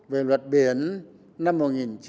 về luật biển năm một nghìn chín trăm tám mươi hai